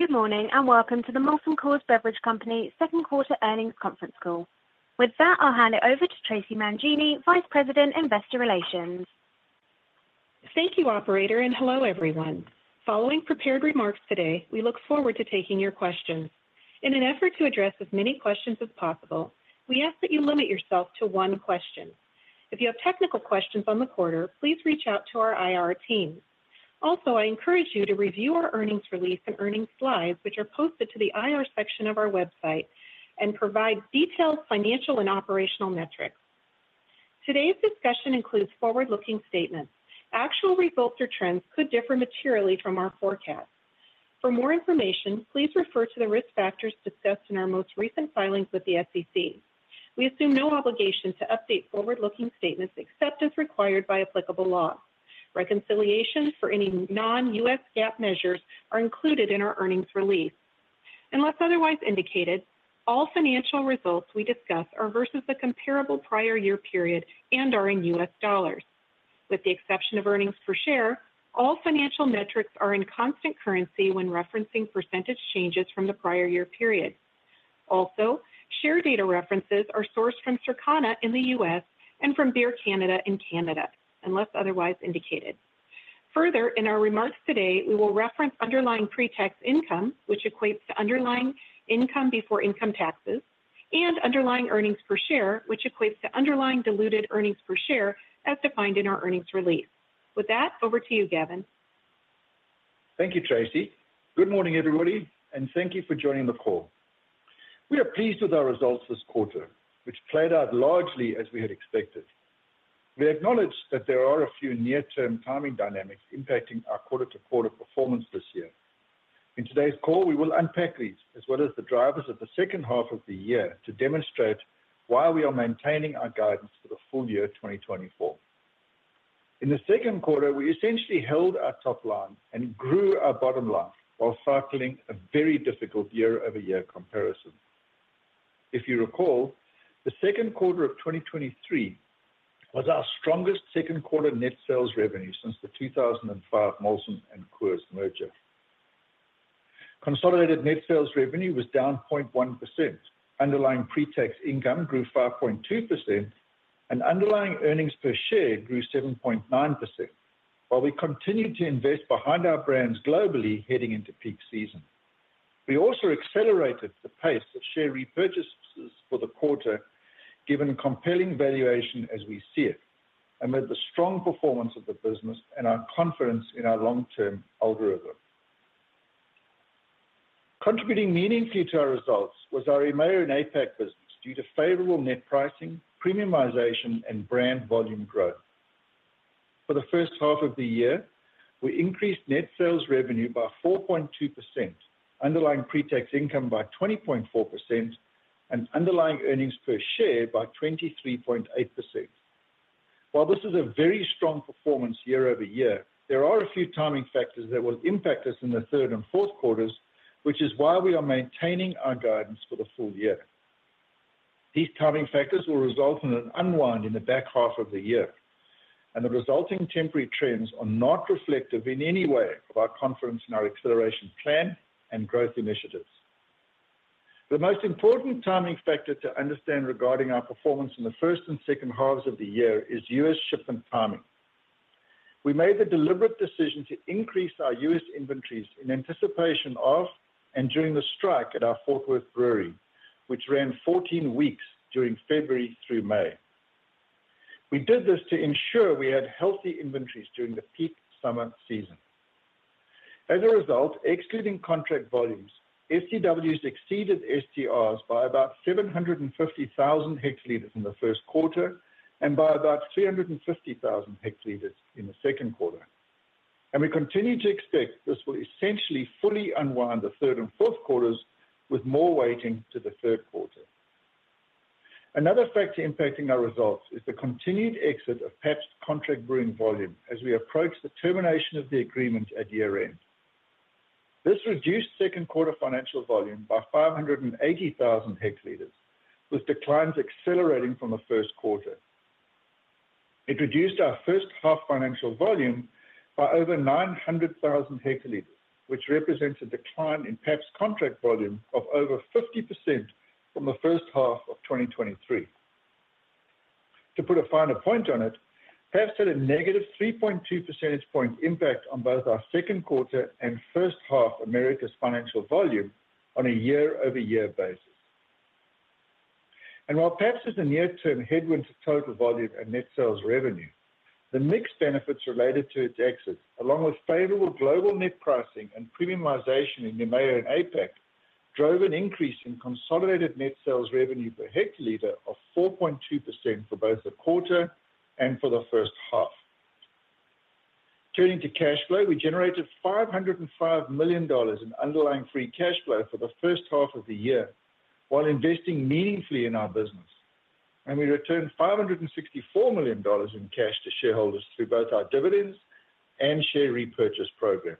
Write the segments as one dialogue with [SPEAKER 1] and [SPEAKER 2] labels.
[SPEAKER 1] Good morning, and welcome to the Molson Coors Beverage Company Second Quarter Earnings Conference Call. With that, I'll hand it over to Traci Mangini, Vice President, Investor Relations.
[SPEAKER 2] Thank you, operator, and hello, everyone. Following prepared remarks today, we look forward to taking your questions. In an effort to address as many questions as possible, we ask that you limit yourself to one question. If you have technical questions on the quarter, please reach out to our IR team. Also, I encourage you to review our earnings release and earnings slides, which are posted to the IR section of our website and provide detailed financial and operational metrics. Today's discussion includes forward-looking statements. Actual results or trends could differ materially from our forecast. For more information, please refer to the risk factors discussed in our most recent filings with the SEC. We assume no obligation to update forward-looking statements except as required by applicable law. Reconciliation for any non-U.S. GAAP measures are included in our earnings release. Unless otherwise indicated, all financial results we discuss are versus the comparable prior year period and are in U.S. dollars. With the exception of earnings per share, all financial metrics are in constant currency when referencing percentage changes from the prior year period. Also, share data references are sourced from Circana in the U.S. and from Beer Canada in Canada, unless otherwise indicated. Further, in our remarks today, we will reference underlying pre-tax income, which equates to underlying income before income taxes, and underlying earnings per share, which equates to underlying diluted earnings per share as defined in our earnings release. With that, over to you, Gavin.
[SPEAKER 3] Thank you, Traci. Good morning, everybody, and thank you for joining the call. We are pleased with our results this quarter, which played out largely as we had expected. We acknowledge that there are a few near-term timing dynamics impacting our quarter-to-quarter performance this year. In today's call, we will unpack these as well as the drivers of the second half of the year to demonstrate why we are maintaining our guidance for the full year 2024. In the second quarter, we essentially held our top line and grew our bottom line while cycling a very difficult year-over-year comparison. If you recall, the second quarter of 2023 was our strongest second quarter net sales revenue since the 2005 Molson and Coors merger. Consolidated net sales revenue was down 0.1%. Underlying pre-tax income grew 5.2%, and underlying earnings per share grew 7.9%, while we continued to invest behind our brands globally heading into peak season. We also accelerated the pace of share repurchases for the quarter, given compelling valuation as we see it, amid the strong performance of the business and our confidence in our long-term algorithm. Contributing meaningfully to our results was our EMEA and APAC business, due to favorable net pricing, premiumization, and brand volume growth. For the first half of the year, we increased net sales revenue by 4.2%, underlying pre-tax income by 20.4%, and underlying earnings per share by 23.8%. While this is a very strong performance year over year, there are a few timing factors that will impact us in the third and fourth quarters, which is why we are maintaining our guidance for the full year. These timing factors will result in an unwind in the back half of the year, and the resulting temporary trends are not reflective in any way of our confidence in our acceleration plan and growth initiatives. The most important timing factor to understand regarding our performance in the first and second halves of the year is U.S. shipment timing. We made the deliberate decision to increase our U.S. inventories in anticipation of and during the strike at our Fort Worth brewery, which ran 14 weeks during February through May. We did this to ensure we had healthy inventories during the peak summer season. As a result, excluding contract volumes, STWs exceeded STRs by about 750,000 hl in the first quarter and by about 350,000 hl in the second quarter. We continue to expect this will essentially fully unwind the third and fourth quarters, with more weighting to the third quarter. Another factor impacting our results is the continued exit of Pabst's contract brewing volume as we approach the termination of the agreement at year-end. This reduced second quarter financial volume by 580,000 hl, with declines accelerating from the first quarter. It reduced our first half financial volume by over 900,000 hl, which represents a decline in Pabst contract volume of over 50% from the first half of 2023. To put a finer point on it, Pabst had a -3.2% point impact on both our second quarter and first half Americas financial volume on a year-over-year basis. And while Pabst is a near-term headwind to total volume and net sales revenue, the mixed benefits related to its exit, along with favorable global net pricing and premiumization in EMEA and APAC, drove an increase in consolidated net sales revenue per hectoliter of 4.2% for both the quarter and for the first half. Turning to cash flow, we generated $505 million in underlying free cash flow for the first half of the year, while investing meaningfully in our business. And we returned $564 million in cash to shareholders through both our dividends and share repurchase program.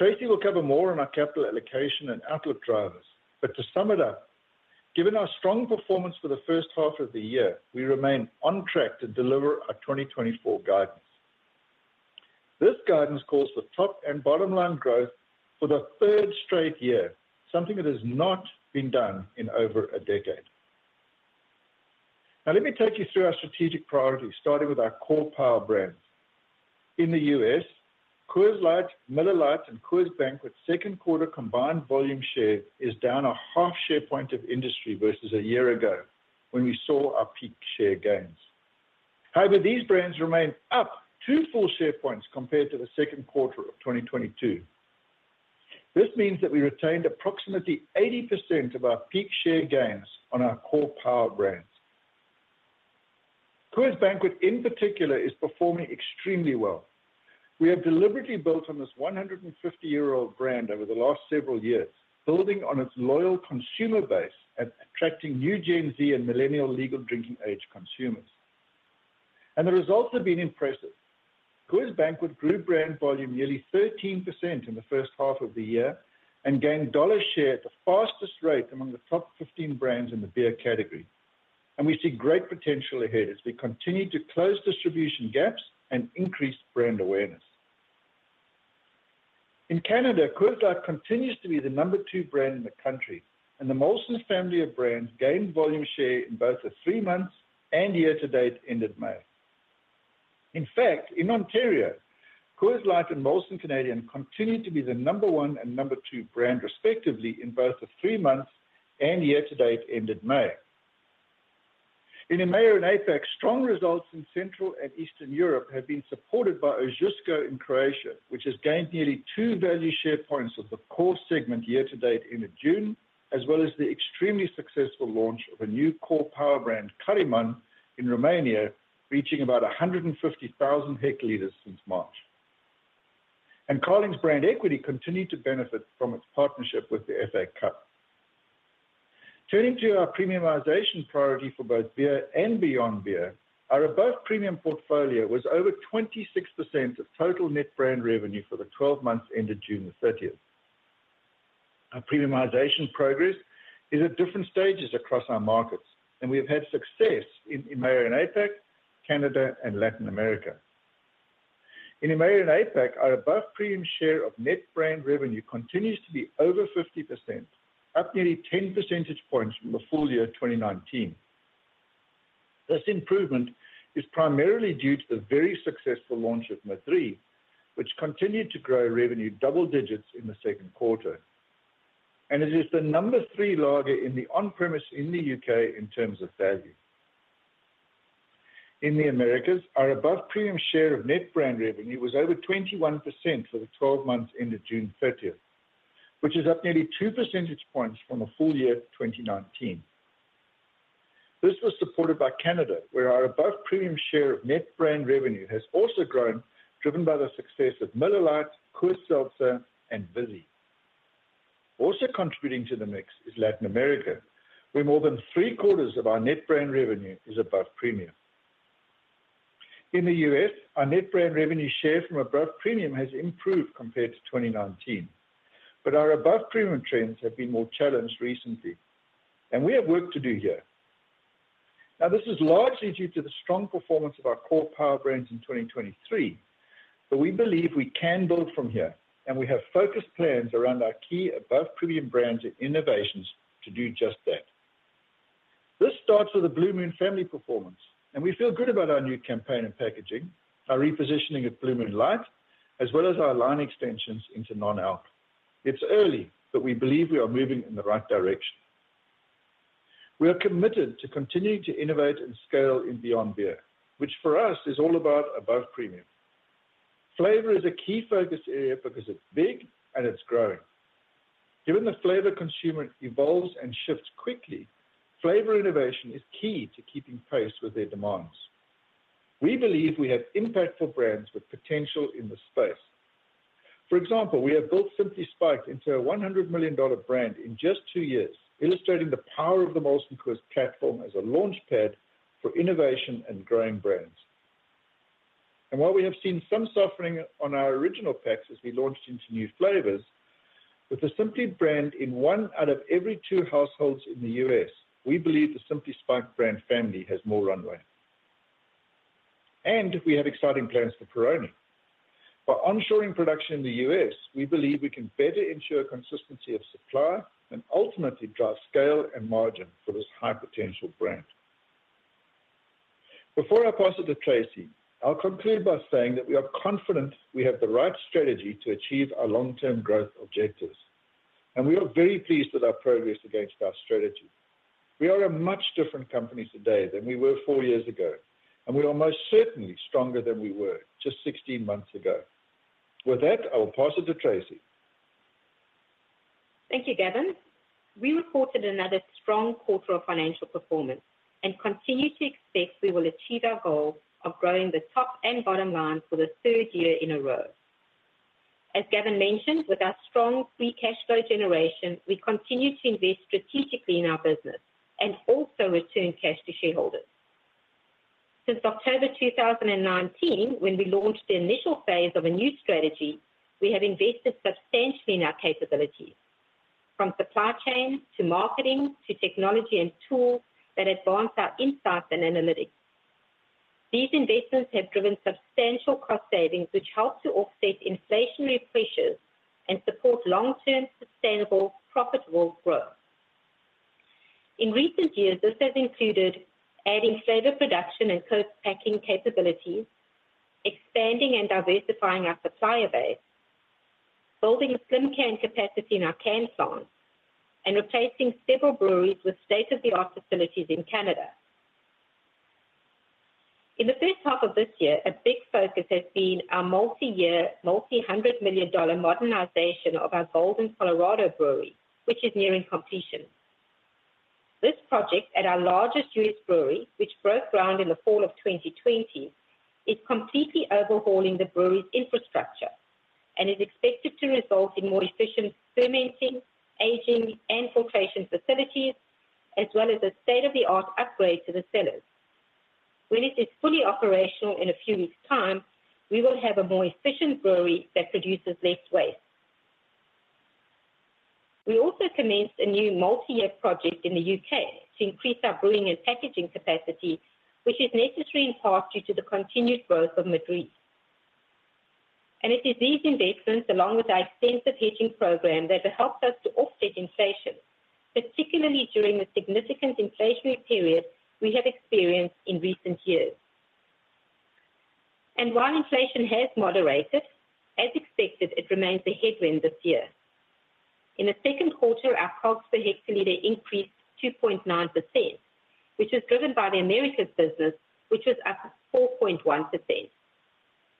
[SPEAKER 3] Traci will cover more on our capital allocation and outlook drivers, but to sum it up. Given our strong performance for the first half of the year, we remain on track to deliver our 2024 guidance. This guidance calls for top and bottom line growth for the third straight year, something that has not been done in over a decade. Now, let me take you through our strategic priorities, starting with our core power brands. In the U.S., Coors Light, Miller Lite, and Coors Banquet second quarter combined volume share is down a half share point of industry versus a year ago, when we saw our peak share gains. However, these brands remain up two full share points compared to the second quarter of 2022. This means that we retained approximately 80% of our peak share gains on our core power brands. Coors Banquet, in particular, is performing extremely well. We have deliberately built on this 150-year-old brand over the last several years, building on its loyal consumer base and attracting new Gen Z and millennial legal drinking age consumers. The results have been impressive. Coors Banquet grew brand volume nearly 13% in the first half of the year and gained dollar share at the fastest rate among the top 15 brands in the beer category, and we see great potential ahead as we continue to close distribution gaps and increase brand awareness. In Canada, Coors Light continues to be the number two brand in the country, and the Molson's family of brands gained volume share in both the three months and year to date, ended May. In fact, in Ontario, Coors Light and Molson Canadian continue to be the number one and number two brand, respectively, in both the three months and year to date, ended May. In EMEA and APAC, strong results in Central and Eastern Europe have been supported by Ožujsko in Croatia, which has gained nearly two value share points of the core segment year to date in June, as well as the extremely successful launch of a new core power brand, Caraiman, in Romania, reaching about 150,000 hl since March. Carling's brand equity continued to benefit from its partnership with the FA Cup. Turning to our premiumization priority for both beer and beyond beer, our above-premium portfolio was over 26% of total net brand revenue for the 12 ended June 30th. Our premiumization progress is at different stages across our markets, and we have had success in EMEA and APAC, Canada, and Latin America. In EMEA and APAC, our above-premium share of net brand revenue continues to be over 50%, up nearly 10 percentage points from the full year 2019. This improvement is primarily due to the very successful launch of Madrí, which continued to grow revenue double digits in the second quarter, and it is the number three lager in the on-premise in the U.K. in terms of value. In the Americas, our above-premium share of net brand revenue was over 21% for the 12 months ended June 30th, which is up nearly two percentage points from the full year 2019. This was supported by Canada, where our above-premium share of net brand revenue has also grown, driven by the success of Miller Lite, Coors Seltzer, and Vizzy. Also contributing to the mix is Latin America, where more than 3/4 of our net brand revenue is above-premium. In the U.S., our net brand revenue share from above-premium has improved compared to 2019, but our above-premium trends have been more challenged recently, and we have work to do here. Now, this is largely due to the strong performance of our core power brands in 2023, but we believe we can build from here, and we have focused plans around our key above-premium brands and innovations to do just that. This starts with the Blue Moon family performance, and we feel good about our new campaign and packaging, our repositioning of Blue Moon Light, as well as our line extensions into non-alc. It's early, but we believe we are moving in the right direction. We are committed to continuing to innovate and scale in beyond beer, which for us is all about above-premium. Flavor is a key focus area because it's big and it's growing. Given the flavor consumer evolves and shifts quickly, flavor innovation is key to keeping pace with their demands. We believe we have impactful brands with potential in the space. For example, we have built Simply Spiked into a $100 million brand in just two years, illustrating the power of the Molson Coors platform as a launchpad for innovation and growing brands. While we have seen some suffering on our original packs as we launched into new flavors, with the Simply Spiked brand in one out of every two households in the U.S., we believe the Simply Spiked brand family has more runway. We have exciting plans for Peroni. By onshoring production in the U.S., we believe we can better ensure consistency of supply and ultimately drive scale and margin for this high-potential brand. Before I pass it to Traci, I'll conclude by saying that we are confident we have the right strategy to achieve our long-term growth objectives, and we are very pleased with our progress against our strategy. We are a much different company today than we were four years ago, and we are most certainly stronger than we were just 16 months ago. With that, I will pass it to Traci.
[SPEAKER 2] Thank you, Gavin. We reported another strong quarter of financial performance and continue to expect we will achieve our goal of growing the top and bottom line for the third year in a row. As Gavin mentioned, with our strong free cash flow generation, we continue to invest strategically in our business and also return cash to shareholders. Since October 2019, when we launched the initial phase of a new strategy, we have invested substantially in our capabilities, from supply chain to marketing, to technology and tools that advance our insights and analytics. These investments have driven substantial cost savings, which help to offset inflationary pressures and support long-term, sustainable, profitable growth. In recent years, this has included adding flavor production and co-packing capabilities, expanding and diversifying our supplier base, building slim can capacity in our can plants, and replacing several breweries with state-of-the-art facilities in Canada. In the first half of this year, a big focus has been our multi-year, multi-hundred million modernization of our Golden, Colorado brewery, which is nearing completion. This project at our largest U.S. brewery, which broke ground in the fall of 2020, is completely overhauling the brewery's infrastructure and is expected to result in more efficient fermenting, aging, and filtration facilities, as well as a state-of-the-art upgrade to the cellars. When it is fully operational in a few weeks' time, we will have a more efficient brewery that produces less waste. We also commenced a new multi-year project in the U.K. to increase our brewing and packaging capacity, which is necessary in part due to the continued growth of Madrí. It is these investments, along with our extensive hedging program, that have helped us to offset inflation, particularly during the significant inflationary period we have experienced in recent years. While inflation has moderated, as expected, it remains a headwind this year. In the second quarter, our costs per hectoliter increased 2.9%, which was driven by the Americas business, which was up 4.1%.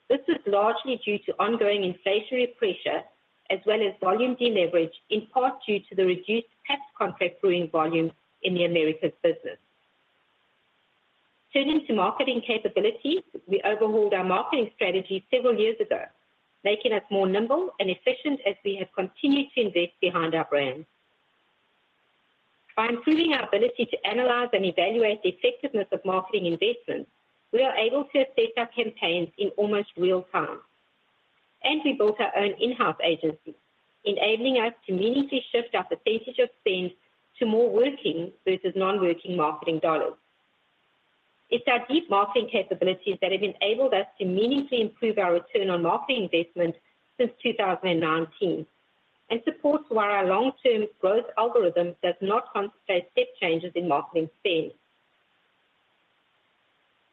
[SPEAKER 2] This is largely due to ongoing inflationary pressure as well as volume deleverage, in part due to the reduced tax contract brewing volume in the Americas business. Turning to marketing capabilities, we overhauled our marketing strategy several years ago, making us more nimble and efficient as we have continued to invest behind our brands. By improving our ability to analyze and evaluate the effectiveness of marketing investments, we are able to assess our campaigns in almost real time. We built our own in-house agency, enabling us to meaningfully shift our percentage of spend to more working versus non-working marketing dollars. It's our deep marketing capabilities that have enabled us to meaningfully improve our return on marketing investment since 2019, and supports why our long-term growth algorithm does not contemplate step changes in marketing spend.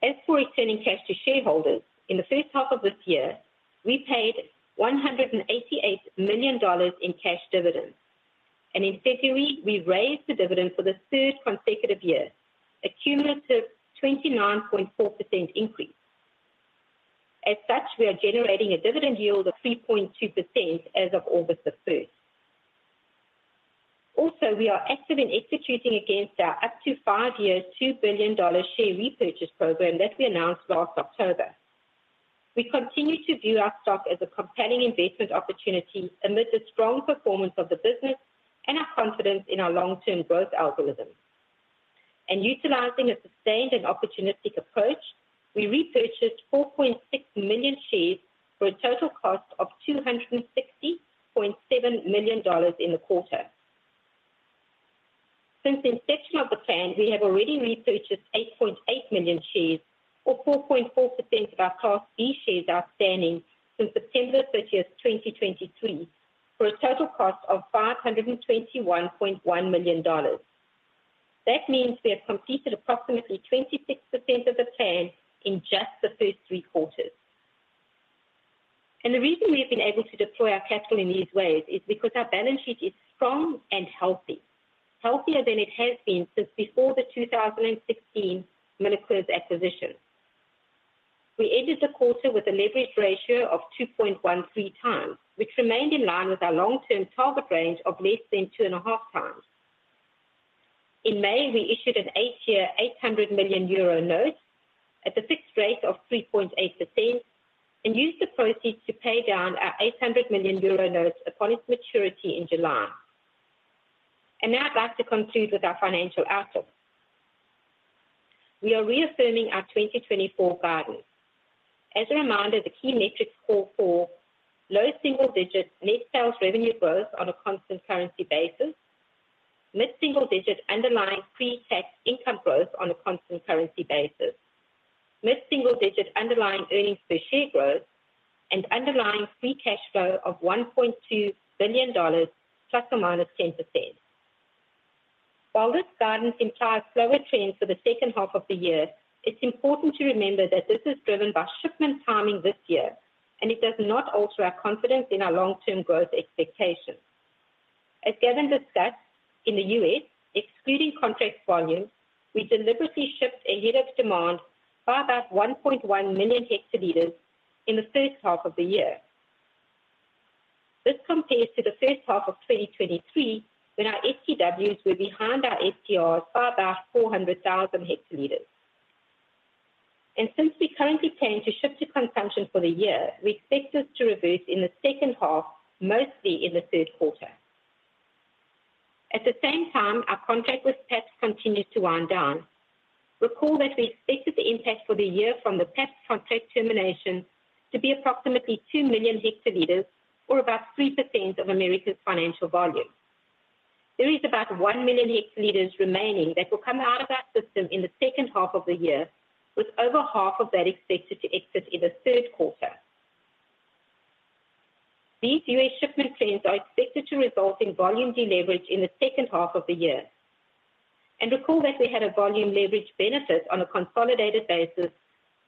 [SPEAKER 2] As for returning cash to shareholders, in the first half of this year, we paid $188 million in cash dividends, and in February, we raised the dividend for the third consecutive year, a cumulative 29.4% increase. As such, we are generating a dividend yield of 3.2% as of August 1st. Also, we are active in executing against our up to five-year, $2 billion share repurchase program that we announced last October. We continue to view our stock as a compelling investment opportunity amidst the strong performance of the business and our confidence in our long-term growth algorithm. Utilizing a sustained and opportunistic approach, we repurchased 4.6 million shares for a total cost of $260.7 million in the quarter. Since inception of the plan, we have already repurchased 8.8 million shares, or 4.4% of our Class V shares outstanding since September 30th, 2023, for a total cost of $521.1 million. That means we have completed approximately 26% of the plan in just the first three quarters. The reason we have been able to deploy our capital in these ways is because our balance sheet is strong and healthy, healthier than it has been since before the 2016 MillerCoors acquisition. We ended the quarter with a leverage ratio of 2.13x, which remained in line with our long-term target range of less than 2.5x. In May, we issued an eight-year, 800 million euro note at a fixed rate of 3.8% and used the proceeds to pay down our 800 million euro note upon its maturity in July. Now I'd like to conclude with our financial outlook. We are reaffirming our 2024 guidance. As a reminder, the key metrics call for low single digits net sales revenue growth on a constant currency basis, mid-single digit underlying pre-tax income growth on a constant currency basis, mid-single digit underlying earnings per share growth, and underlying free cash flow of $1.2 billion, ±10%. While this guidance implies slower trends for the second half of the year, it's important to remember that this is driven by shipment timing this year, and it does not alter our confidence in our long-term growth expectations. As Gavin discussed, in the U.S., excluding contract volume, we deliberately shipped ahead of demand for about 1.1 million hl in the first half of the year. This compares to the first half of 2023, when our STWs were behind our STRs for about 400,000 hl. Since we currently plan to ship to consumption for the year, we expect this to reverse in the second half, mostly in the third quarter. At the same time, our contract with Pabst continues to wind down. Recall that we expected the impact for the year from the Pabst contract termination to be approximately 2 million hl, or about 3% of Americas financial volume. There is about 1 million hl remaining that will come out of our system in the second half of the year, with over half of that expected to exit in the third quarter. These U.S. shipment trends are expected to result in volume deleverage in the second half of the year. Recall that we had a volume leverage benefit on a consolidated basis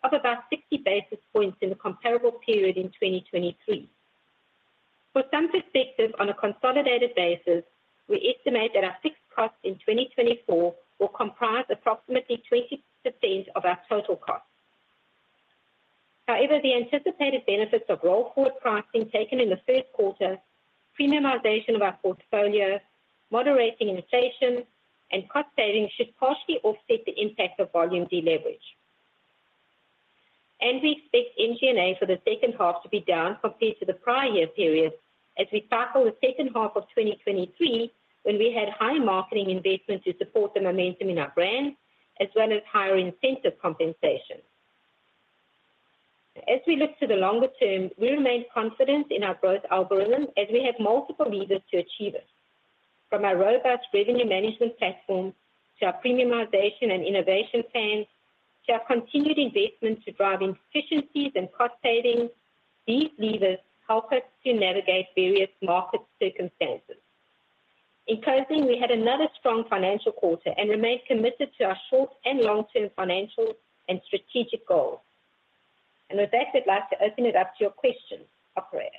[SPEAKER 2] of about 60 basis points in the comparable period in 2023. For some perspective, on a consolidated basis, we estimate that our fixed costs in 2024 will comprise approximately 20% of our total costs. However, the anticipated benefits of roll forward pricing taken in the first quarter, premiumization of our portfolio, moderating inflation, and cost savings should partially offset the impact of volume deleverage. We expect MG&A for the second half to be down compared to the prior year period as we tackle the second half of 2023, when we had high marketing investment to support the momentum in our brand, as well as higher incentive compensation. As we look to the longer term, we remain confident in our growth algorithm as we have multiple levers to achieve it. From our robust revenue management platform to our premiumization and innovation plans, to our continued investment to drive efficiencies and cost savings, these levers help us to navigate various market circumstances. In closing, we had another strong financial quarter and remain committed to our short and long-term financial and strategic goals. With that, we'd like to open it up to your questions. Operator?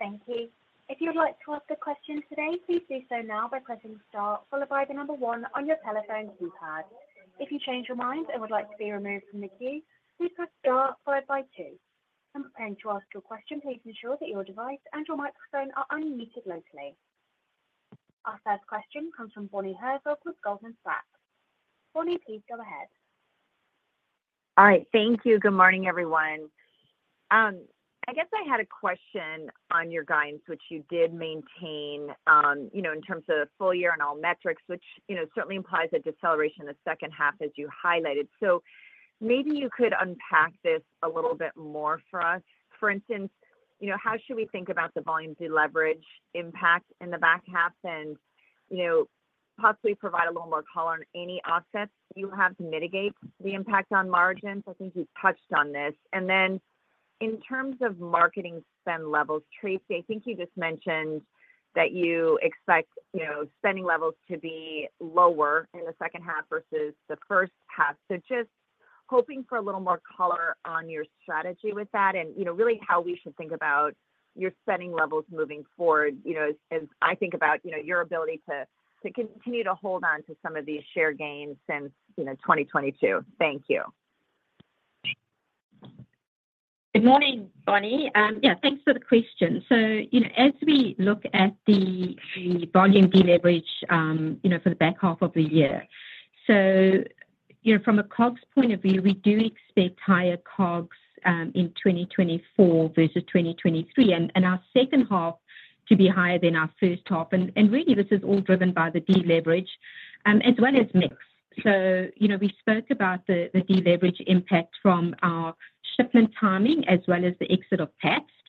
[SPEAKER 1] Thank you. If you'd like to ask a question today, please do so now by pressing star followed by the number one on your telephone keypad. If you change your mind and would like to be removed from the queue, please press star followed by two. And to ask your question, please ensure that your device and your microphone are unmuted locally. Our first question comes from Bonnie Herzog with Goldman Sachs. Bonnie, please go ahead.
[SPEAKER 4] All right, thank you. Good morning, everyone. I guess I had a question on your guidance, which you did maintain, you know, in terms of full year and all metrics, which, you know, certainly implies a deceleration in the second half, as you highlighted. So maybe you could unpack this a little bit more for us. For instance, you know, how should we think about the volume deleverage impact in the back half? And, you know, possibly provide a little more color on any offsets you have to mitigate the impact on margins. I think you've touched on this. And then in terms of marketing spend levels, Traci, I think you just mentioned that you expect, you know, spending levels to be lower in the second half versus the first half. So just hoping for a little more color on your strategy with that and, you know, really how we should think about your spending levels moving forward. You know, as I think about, you know, your ability to continue to hold on to some of these share gains since, you know, 2022. Thank you.
[SPEAKER 2] Good morning, Bonnie. Yeah, thanks for the question. So, you know, as we look at the volume deleverage, you know, for the back half of the year, so, you know, from a COGS point of view, we do expect higher COGS in 2024 versus 2023, and our second half to be higher than our first half. And really, this is all driven by the deleverage as well as mix. So, you know, we spoke about the deleverage impact from our shipment timing as well as the exit of Pabst.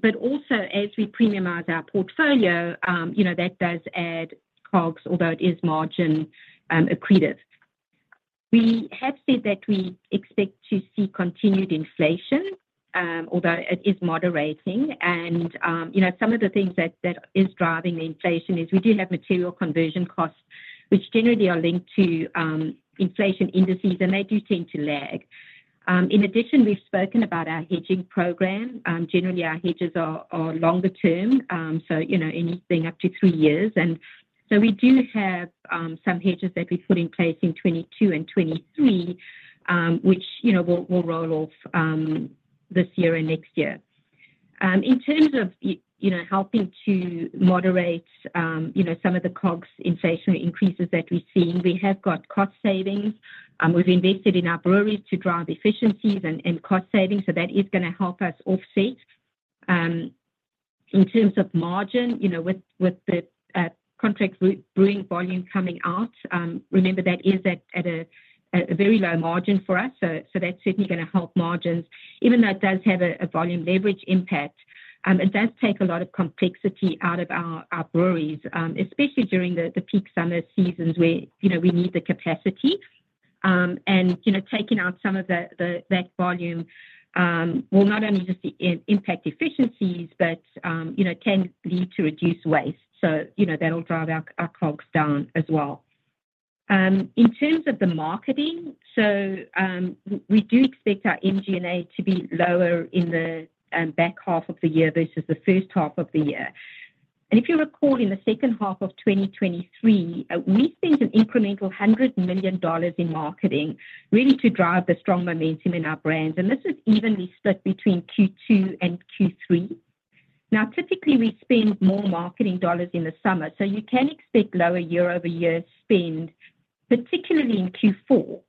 [SPEAKER 2] But also as we premiumize our portfolio, you know, that does add COGS, although it is margin accretive. We have said that we expect to see continued inflation, although it is moderating. And, you know, some of the things that is driving the inflation is we do have material conversion costs, which generally are linked to inflation indices, and they do tend to lag. In addition, we've spoken about our hedging program. Generally, our hedges are longer term, so you know, anything up to three years. And so we do have some hedges that we put in place in 2022 and 2023, which, you know, will roll off this year and next year. In terms of you know, helping to moderate you know, some of the COGS inflationary increases that we're seeing, we have got cost savings. We've invested in our breweries to drive efficiencies and cost savings, so that is gonna help us offset. In terms of margin, you know, with the contract brewing volume coming out, remember, that is at a very low margin for us, so that's certainly gonna help margins, even though it does have a volume leverage impact. It does take a lot of complexity out of our breweries, especially during the peak summer seasons where, you know, we need the capacity. And, you know, taking out some of that volume will not only just impact efficiencies, but, you know, can lead to reduced waste. So, you know, that'll drive our COGS down as well. In terms of the marketing, so we do expect our MG&A to be lower in the back half of the year versus the first half of the year. If you'll recall, in the second half of 2023, we spent an incremental $100 million in marketing, really to drive the strong momentum in our brands, and this is evenly split between Q2 and Q3. Now, typically, we spend more marketing dollars in the summer, so you can expect lower year-over-year spend, particularly in Q4.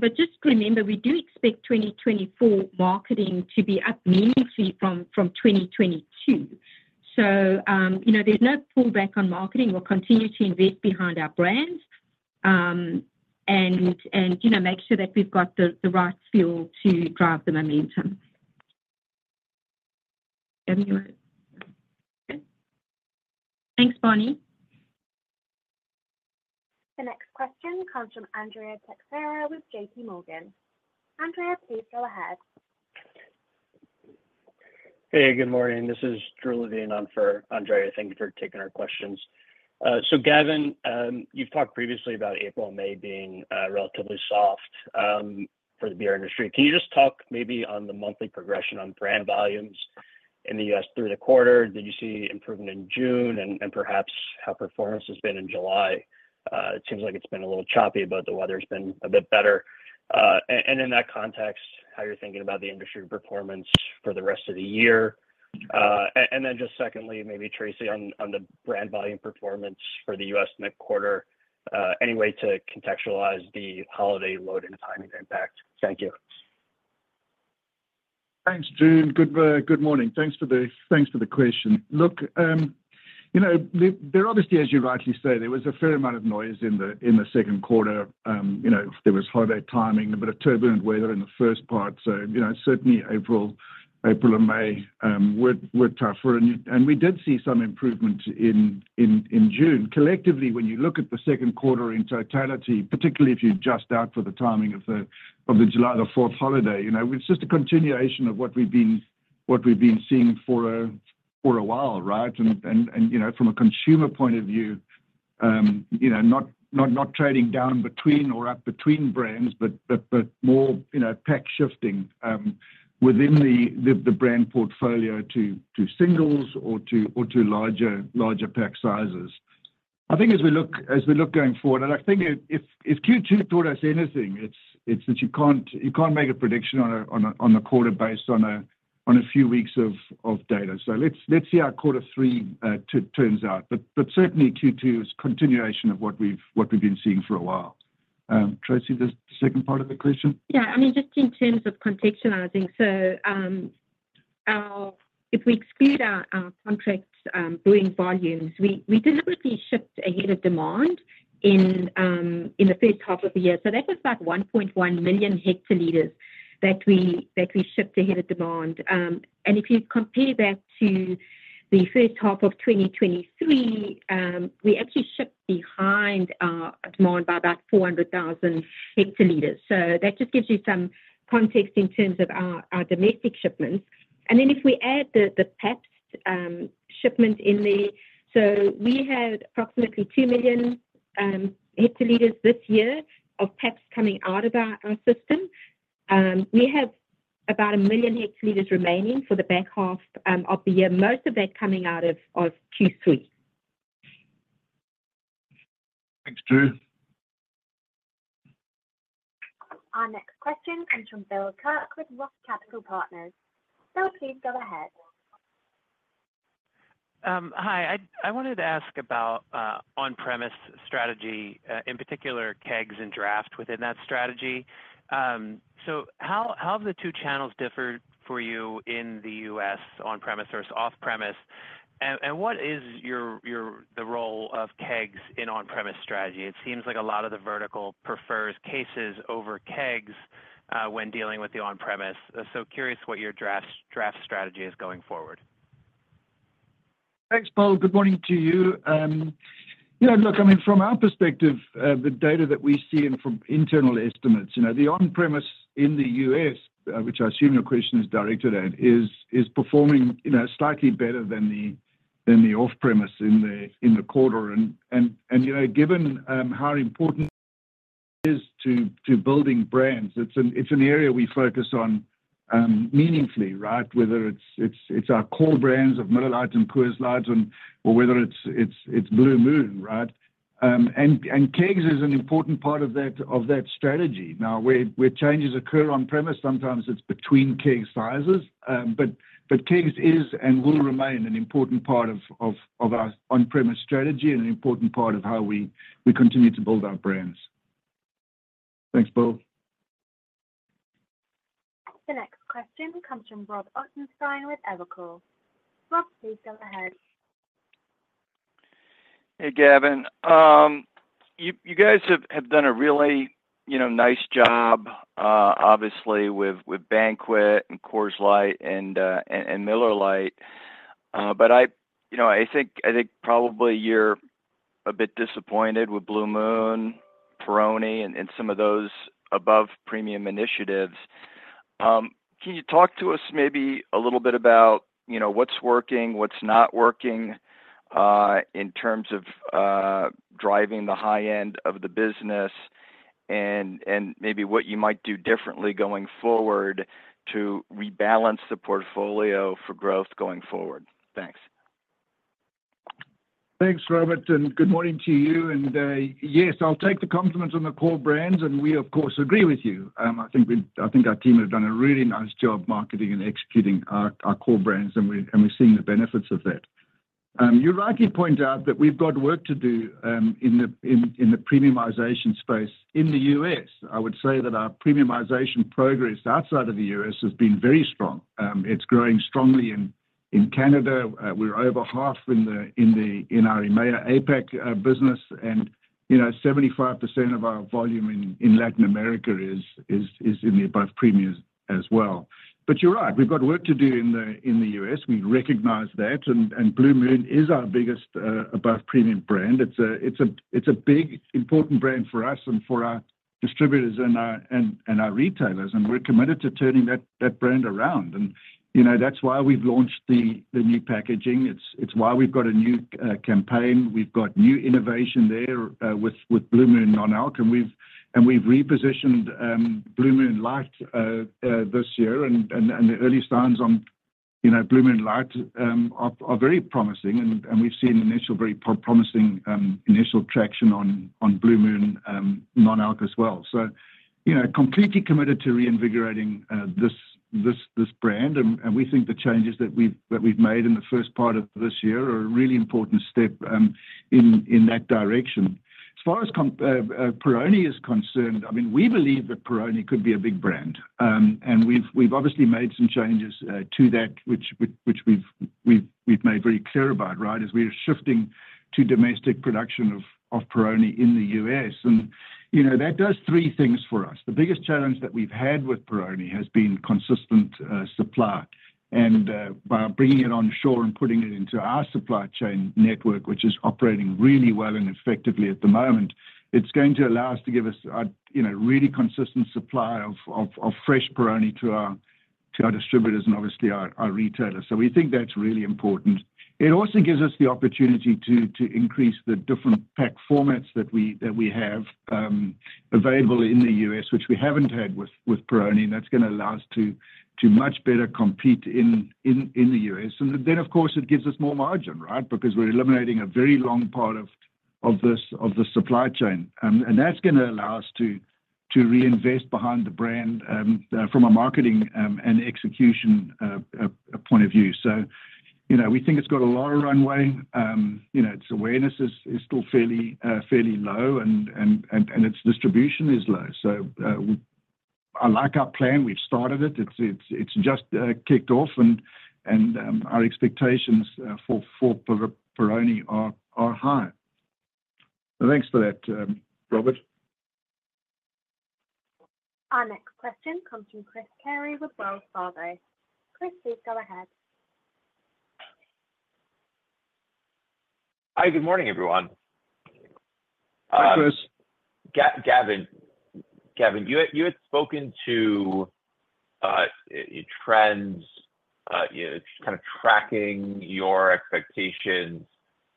[SPEAKER 2] But just remember, we do expect 2024 marketing to be up meaningfully from 2022. So, you know, there's no pullback on marketing. We'll continue to invest behind our brands, and you know, make sure that we've got the right fuel to drive the momentum. Gavin, you want...? Okay. Thanks, Bonnie.
[SPEAKER 1] The next question comes from Andrea Teixeira with JPMorgan. Andrea, please go ahead.
[SPEAKER 5] Hey, good morning. This is Drew Levine on for Andrea. Thank you for taking our questions. So Gavin, you've talked previously about April and May being relatively soft for the beer industry. Can you just talk maybe on the monthly progression on brand volumes in the U.S. through the quarter? Did you see improvement in June and perhaps how performance has been in July? It seems like it's been a little choppy, but the weather's been a bit better. And in that context, how you're thinking about the industry performance for the rest of the year. And then just secondly, maybe Traci, on the brand volume performance for the U.S. mid-quarter, any way to contextualize the holiday load and timing impact? Thank you.
[SPEAKER 3] Thanks, Drew. Good morning. Thanks for the, thanks for the question. Look, you know, there obviously, as you rightly say, there was a fair amount of noise in the second quarter. You know, there was holiday timing, a bit of turbulent weather in the first part. So, you know, certainly April and May were tougher and we did see some improvement in June. Collectively, when you look at the second quarter in totality, particularly if you adjust out for the timing of the July the 4th holiday, you know, it's just a continuation of what we've been seeing for a while, right? You know, from a consumer point of view, you know, not trading down or up between brands, but more, you know, pack shifting within the brand portfolio to singles or to larger pack sizes. I think as we look going forward, and I think if Q2 taught us anything, it's that you can't make a prediction on a quarter based on a few weeks of data. So let's see how quarter three turns out. But certainly Q2 is continuation of what we've been seeing for a while. Traci, the second part of the question?
[SPEAKER 2] Yeah, I mean, just in terms of contextualizing. So, our. If we exclude our contract brewing volumes, we deliberately shipped ahead of demand in the first half of the year. So that was about 1.1 million hl that we shipped ahead of demand. And if you compare that to the first half of 2023, we actually shipped behind our demand by about 400,000 hl. So that just gives you some context in terms of our domestic shipments. And then if we add the Pabst shipment in the. So we had approximately 2 million hl this year of Pabst coming out of our system. We have about 1 million hl remaining for the back half of the year, most of that coming out of Q3.
[SPEAKER 3] Thanks, Drew.
[SPEAKER 1] Our next question comes from Bill Kirk with Roth Capital Partners. Bill, please go ahead.
[SPEAKER 6] Hi, I wanted to ask about on-premise strategy, in particular, kegs and draft within that strategy. So how have the two channels differed for you in the U.S. on-premise versus off-premise? And what is your the role of kegs in on-premise strategy? It seems like a lot of the vertical prefers cases over kegs, when dealing with the on-premise. So curious what your draft strategy is going forward.
[SPEAKER 3] Thanks, Bill. Good morning to you. Yeah, look, I mean, from our perspective, the data that we see and from internal estimates, you know, the on-premise in the U.S., which I assume your question is directed at, is performing, you know, slightly better than the off-premise in the quarter. And, you know, given how important is to building brands, it's an area we focus on meaningfully, right? Whether it's our core brands of Miller Lite and Coors Light and or whether it's Blue Moon, right? And kegs is an important part of that strategy. Now, where changes occur on-premise, sometimes it's between keg sizes, but kegs is and will remain an important part of our on-premise strategy and an important part of how we continue to build our brands. Thanks, Bill.
[SPEAKER 1] The next question comes from Rob Ottenstein with Evercore. Rob, please go ahead.
[SPEAKER 7] Hey, Gavin. You guys have done a really, you know, nice job, obviously with Banquet and Coors Light and Miller Lite. But I, you know, I think probably you're a bit disappointed with Blue Moon, Peroni, and some of those above-premium initiatives. Can you talk to us maybe a little bit about, you know, what's working, what's not working, in terms of driving the high end of the business, and maybe what you might do differently going forward to rebalance the portfolio for growth going forward? Thanks.
[SPEAKER 3] Thanks, Robert, and good morning to you. Yes, I'll take the compliment on the core brands, and we of course agree with you. I think our team have done a really nice job marketing and executing our core brands, and we're seeing the benefits of that. You rightly point out that we've got work to do in the premiumization space in the U.S. I would say that our premiumization progress outside of the U.S. has been very strong. It's growing strongly in Canada. We're over half in our EMEA, APAC business, and, you know, 75% of our volume in Latin America is in the above premiums as well. But you're right, we've got work to do in the U.S. We recognize that, and Blue Moon is our biggest above-premium brand. It's a big, important brand for us and for our distributors and our retailers, and we're committed to turning that brand around. And, you know, that's why we've launched the new packaging. It's why we've got a new campaign. We've got new innovation there with Blue Moon non-alc, and we've repositioned Blue Moon Light this year. And the early signs on, you know, Blue Moon Light are very promising, and we've seen initial very promising initial traction on Blue Moon non-alc as well. So, you know, completely committed to reinvigorating this brand, and we think the changes that we've made in the first part of this year are a really important step in that direction. As far as Peroni is concerned, I mean, we believe that Peroni could be a big brand. And we've obviously made some changes to that, which we've made very clear about, right? As we are shifting to domestic production of Peroni in the U.S. And, you know, that does three things for us. The biggest challenge that we've had with Peroni has been consistent supply. By bringing it onshore and putting it into our supply chain network, which is operating really well and effectively at the moment, it's going to allow us to give us a, you know, really consistent supply of fresh Peroni to our distributors and obviously our retailers. So we think that's really important. It also gives us the opportunity to increase the different pack formats that we have available in the U.S., which we haven't had with Peroni, and that's gonna allow us to much better compete in the U.S. And then, of course, it gives us more margin, right? Because we're eliminating a very long part of this supply chain. And that's gonna allow us to reinvest behind the brand from a marketing and execution point of view. So, you know, we think it's got a lot of runway. You know, its awareness is still fairly low, and its distribution is low. So, I like our plan. We've started it. It's just kicked off, and our expectations for Peroni are high. Thanks for that, Robert.
[SPEAKER 1] Our next question comes from Chris Carey with Wells Fargo. Chris, please go ahead.
[SPEAKER 8] Hi, good morning, everyone.
[SPEAKER 3] Hi, Chris.
[SPEAKER 8] Gavin, you had spoken to trends, you know, kind of tracking your expectations,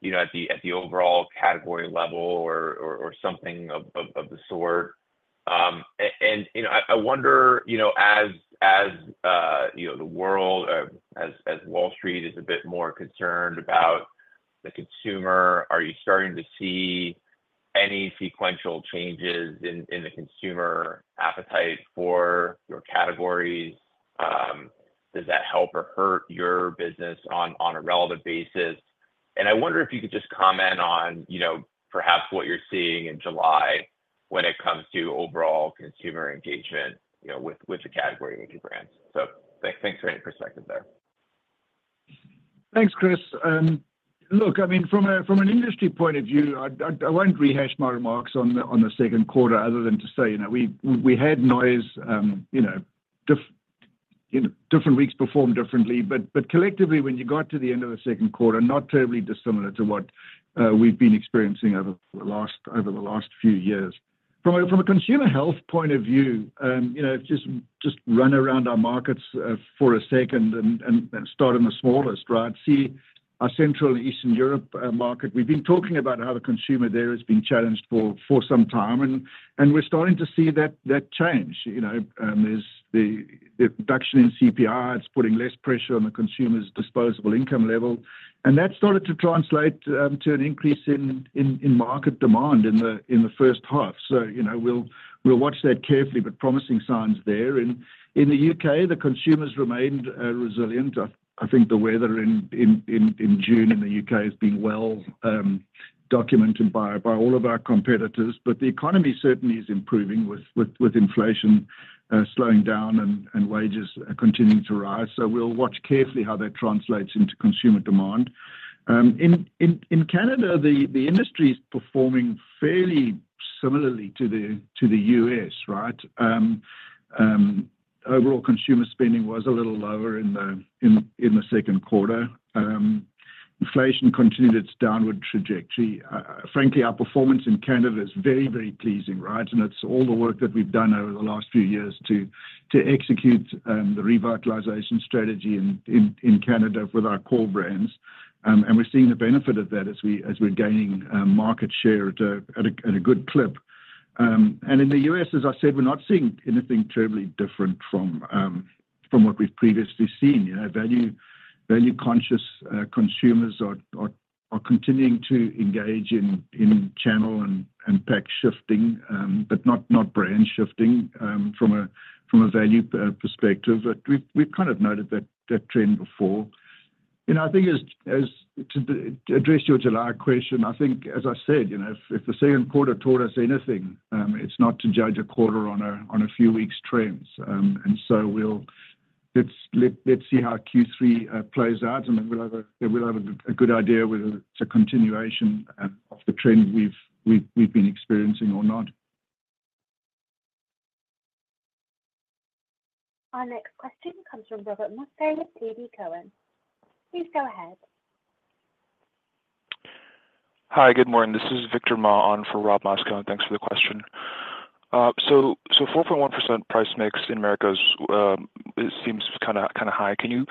[SPEAKER 8] you know, at the overall category level or something of the sort. And you know, I wonder, you know, as the world as Wall Street is a bit more concerned about the consumer, are you starting to see any sequential changes in the consumer appetite for your categories? Does that help or hurt your business on a relative basis? And I wonder if you could just comment on, you know, perhaps what you're seeing in July when it comes to overall consumer engagement, you know, with the category and your brands. So thanks for any perspective there.
[SPEAKER 3] Thanks, Chris. Look, I mean, from an industry point of view, I won't rehash my remarks on the second quarter other than to say, you know, we had noise, you know, different weeks performed differently. But collectively, when you got to the end of the second quarter, not terribly dissimilar to what we've been experiencing over the last few years. From a consumer health point of view, you know, just run around our markets for a second and start in the smallest, right? See, our Central and Eastern Europe market, we've been talking about how the consumer there has been challenged for some time, and we're starting to see that change. You know, is the reduction in CPI putting less pressure on the consumer's disposable income level, and that started to translate to an increase in market demand in the first half. So, you know, we'll watch that carefully, but promising signs there. And in the U.K., the consumers remained resilient. I think the weather in June in the U.K. has been well documented by all of our competitors, but the economy certainly is improving with inflation slowing down and wages continuing to rise. So we'll watch carefully how that translates into consumer demand. In Canada, the industry is performing fairly similarly to the U.S., right? Overall consumer spending was a little lower in the second quarter. Inflation continued its downward trajectory. Frankly, our performance in Canada is very, very pleasing, right? And it's all the work that we've done over the last few years to execute the revitalization strategy in Canada with our core brands. And we're seeing the benefit of that as we're gaining market share at a good clip. And in the U.S., as I said, we're not seeing anything terribly different from what we've previously seen. You know, value-conscious consumers are continuing to engage in channel and pack shifting, but not brand shifting, from a value perspective. But we've kind of noted that trend before. You know, I think as to address your July question, I think, as I said, you know, if the second quarter taught us anything, it's not to judge a quarter on a few weeks trends. And so let's see how Q3 plays out, and then we'll have a good idea whether it's a continuation of the trend we've been experiencing or not.
[SPEAKER 1] Our next question comes from Robert Moskow with TD Cowen. Please go ahead.
[SPEAKER 9] Hi, good morning. This is Victor Ma on for Rob Moskow, and thanks for the question. So, 4.1% price mix in Americas, it seems kinda high. Can you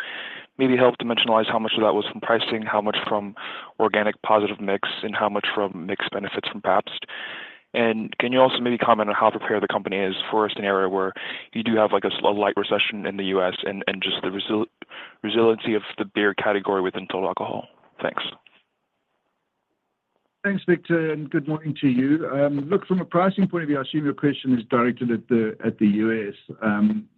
[SPEAKER 9] maybe help dimensionalize how much of that was from pricing, how much from organic positive mix, and how much from mixed benefits from Pabst? And can you also maybe comment on how prepared the company is for a scenario where you do have, like, a slight light recession in the U.S. and just the resiliency of the beer category within total alcohol? Thanks.
[SPEAKER 3] Thanks, Victor, and good morning to you. Look, from a pricing point of view, I assume your question is directed at the U.S.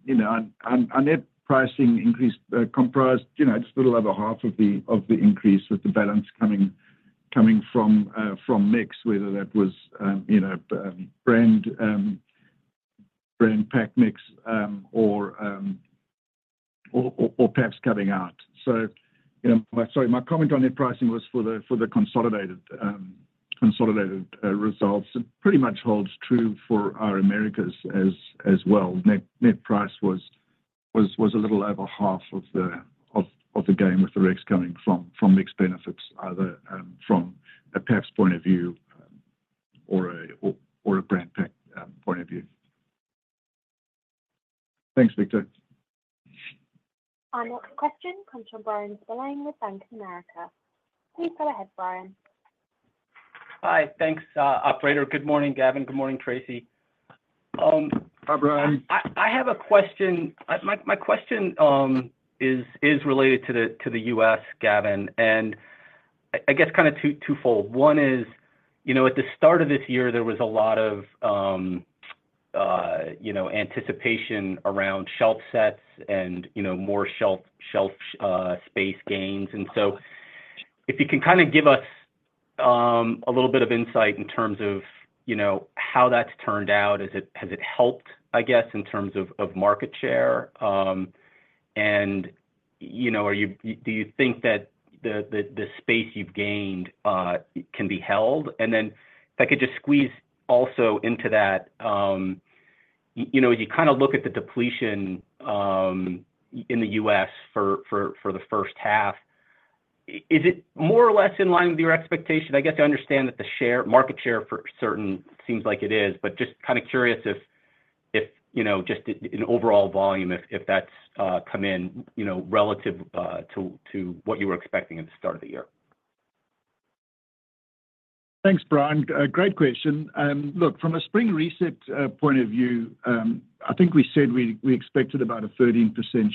[SPEAKER 3] You know, our net pricing increase comprised just a little over half of the increase, with the balance coming from mix, whether that was brand pack mix or Pabst cutting out. So, you know, I'm sorry. My comment on net pricing was for the consolidated results. It pretty much holds true for our Americas as well. Net, net price was a little over half of the game, with the rest coming from mixed benefits, either from a Pabst point of view, or a brand pack point of view. Thanks, Victor.
[SPEAKER 1] Our next question comes from Bryan Spillane with Bank of America. Please go ahead, Brian.
[SPEAKER 10] Hi. Thanks, operator. Good morning, Gavin. Good morning, Traci.
[SPEAKER 3] Hi, Bryan.
[SPEAKER 10] I have a question. My question is related to the U.S., Gavin, and I guess kind of twofold. One is, you know, at the start of this year, there was a lot of, you know, anticipation around shelf sets and, you know, more shelf space gains. And so if you can kinda give us a little bit of insight in terms of, you know, how that's turned out. Has it helped, I guess, in terms of market share? And, you know, are you—do you think that the space you've gained can be held? And then if I could just squeeze also into that, you know, as you kind of look at the depletion in the U.S. for the first half, is it more or less in line with your expectation? I guess I understand that the share, market share for certain seems like it is, but just kind of curious if, you know, just in overall volume, if that's come in, you know, relative to what you were expecting at the start of the year.
[SPEAKER 3] Thanks, Bryan. Great question. Look, from a spring reset point of view, I think we said we expected about a 13%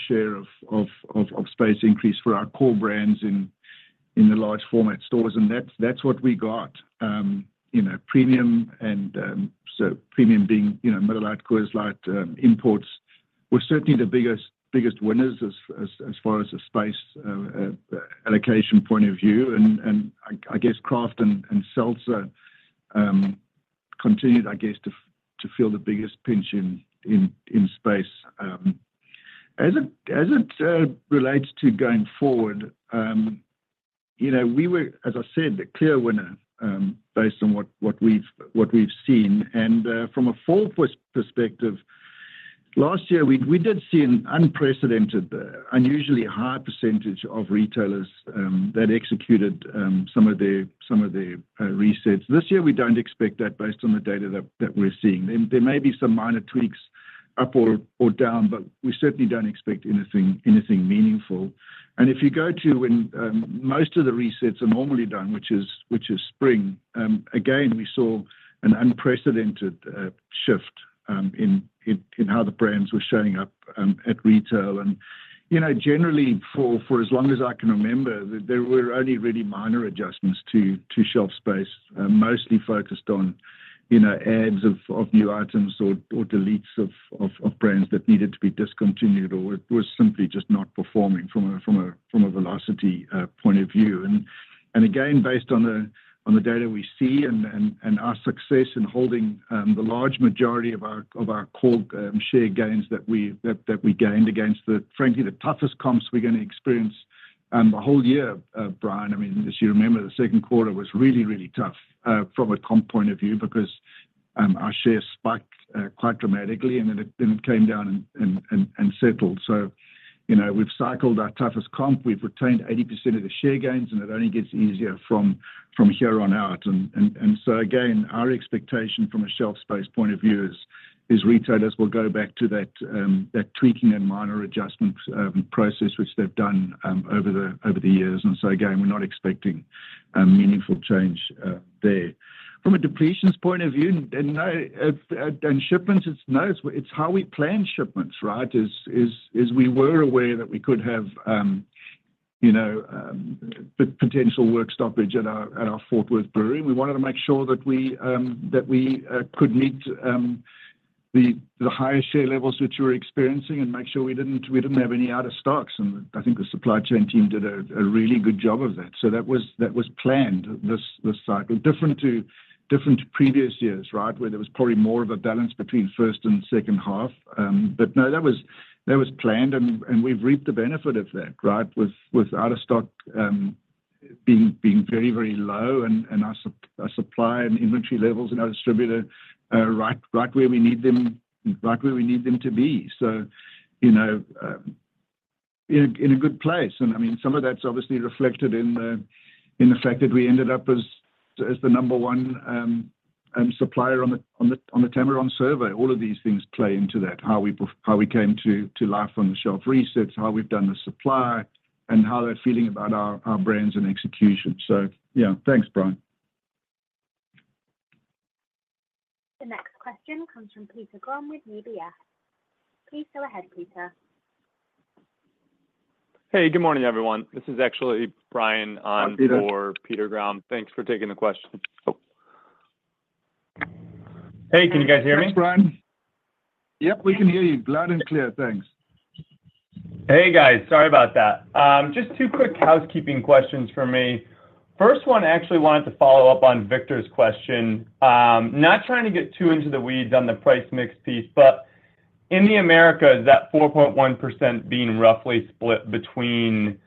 [SPEAKER 3] share of space increase for our core brands in the large format stores, and that's what we got. You know, premium and so premium being, you know, Miller Lite, Coors Light, imports, were certainly the biggest winners as far as the space allocation point of view. And I guess craft and seltzer continued to feel the biggest pinch in space. As it relates to going forward, you know, we were, as I said, the clear winner based on what we've seen. From a full perspective, last year, we did see an unprecedented, unusually high percentage of retailers that executed some of the resets. This year, we don't expect that based on the data that we're seeing. There may be some minor tweaks up or down, but we certainly don't expect anything meaningful. And if you go to when most of the resets are normally done, which is spring, again, we saw an unprecedented shift in how the brands were showing up at retail. You know, generally, for as long as I can remember, there were only really minor adjustments to shelf space, mostly focused on, you know, adds of new items or deletes of brands that needed to be discontinued or were simply just not performing from a velocity point of view. Again, based on the data we see and our success in holding the large majority of our core share gains that we gained against, frankly, the toughest comps we're going to experience the whole year, Bryan. I mean, as you remember, the second quarter was really, really tough, from a comp point of view because, our shares spiked, quite dramatically and then it came down and settled. So, you know, we've cycled our toughest comp. We've retained 80% of the share gains, and it only gets easier from here on out. And so again, our expectation from a shelf space point of view is retailers will go back to that tweaking and minor adjustments process, which they've done over the years. And so again, we're not expecting a meaningful change there. From a depletions point of view, and shipments, it's how we plan shipments, right? We were aware that we could have, you-... You know, the potential work stoppage at our Fort Worth brewery. We wanted to make sure that we could meet the higher share levels which we were experiencing and make sure we didn't have any out of stocks, and I think the supply chain team did a really good job of that. So that was planned, this cycle. Different to previous years, right? Where there was probably more of a balance between first and second half. But no, that was planned, and we've reaped the benefit of that, right? With out of stock being very low and our supply and inventory levels in our distributor are right where we need them to be. So, you know, in a good place. I mean, some of that's obviously reflected in the fact that we ended up as the number one supplier on the Tamarron survey. All of these things play into that, how we came to life on the shelf research, how we've done the supply, and how they're feeling about our brands and execution. So, yeah. Thanks, Bryan.
[SPEAKER 1] The next question comes from Peter Grom with UBS. Please go ahead, Peter.
[SPEAKER 11] Hey, good morning, everyone. This is actually Brian-
[SPEAKER 3] Hi, Peter.
[SPEAKER 11] on for Peter Grom. Thanks for taking the question. Hey, can you guys hear me?
[SPEAKER 3] Thanks, Brian. Yep, we can hear you loud and clear. Thanks.
[SPEAKER 11] Hey, guys, sorry about that. Just two quick housekeeping questions from me. First one, I actually wanted to follow up on Victor's question. Not trying to get too into the weeds on the price mix piece, but in the Americas, that 4.1% being roughly split between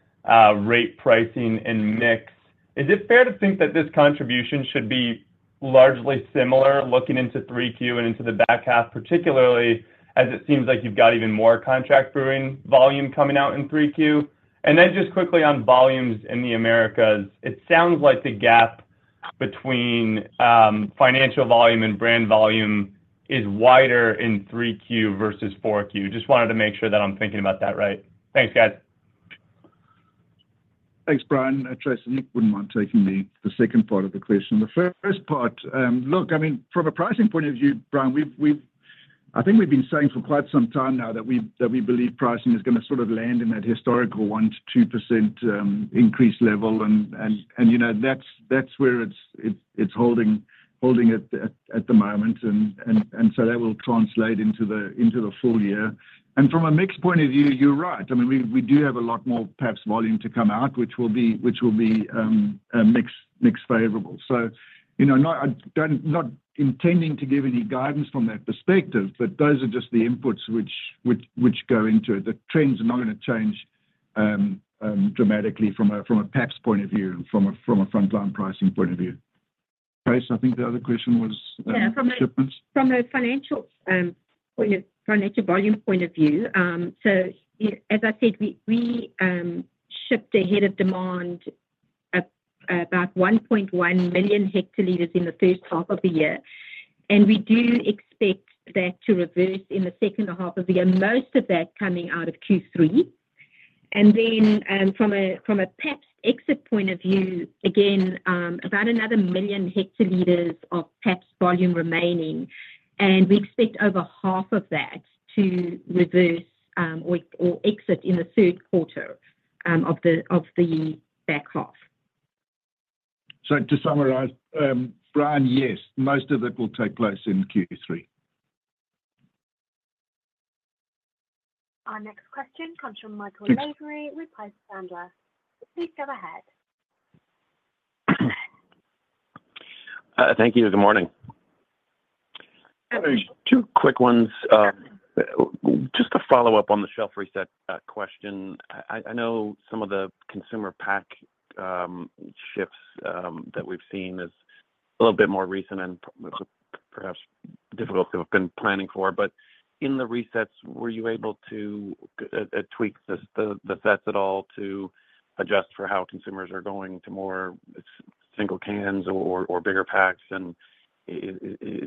[SPEAKER 11] rate pricing and mix, is it fair to think that this contribution should be largely similar looking into 3Q and into the back half, particularly, as it seems like you've got even more contract brewing volume coming out in 3Q? And then just quickly on volumes in the Americas, it sounds like the gap between financial volume and brand volume is wider in 3Q versus 4Q. Just wanted to make sure that I'm thinking about that right. Thanks, guys.
[SPEAKER 3] Thanks, Brian. Traci, wouldn't mind taking the second part of the question. The first part, look, I mean, from a pricing point of view, Brian, we've. I think we've been saying for quite some time now that we believe pricing is going to sort of land in that historical 1%-2% increase level. And you know, that's where it's holding at the moment. And so that will translate into the full year. And from a mix point of view, you're right. I mean, we do have a lot more, perhaps, volume to come out, which will be a mix favorable. So, you know, not I'm not intending to give any guidance from that perspective, but those are just the inputs which go into it. The trends are not going to change dramatically from a Pabst point of view and from a frontline pricing point of view. Traci, I think the other question was shipments.
[SPEAKER 2] Yeah, from a financial point of view, financial volume point of view, so as I said, we shipped ahead of demand at about 1.1 million hl in the first half of the year, and we do expect that to reverse in the second half of the year, most of that coming out of Q3. And then, from a Pabst exit point of view, again, about another 1 million hl of Pabst volume remaining, and we expect over half of that to reverse, or exit in the third quarter, of the back half.
[SPEAKER 3] To summarize, Brian, yes, most of it will take place in Q3.
[SPEAKER 1] Our next question comes from Michael Lavery with Piper Sandler. Please go ahead.
[SPEAKER 12] Thank you. Good morning.
[SPEAKER 3] Hey.
[SPEAKER 12] Two quick ones. Just to follow up on the shelf reset question. I know some of the consumer pack shifts that we've seen is a little bit more recent and perhaps difficult to have been planning for, but in the resets, were you able to tweak the sets at all to adjust for how consumers are going to more single cans or bigger packs? And is